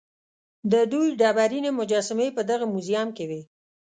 د دوی ډبرینې مجسمې په دغه موزیم کې وې.